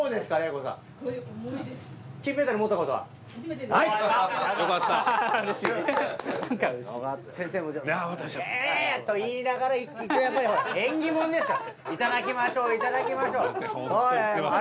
私は。と言いながらやっぱりほら縁起物ですからいただきましょういただきましょう。